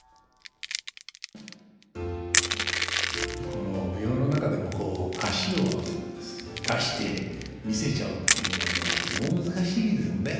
この舞踊の中でもこう脚を出して見せちゃうっていうのはとても難しいでしょうね。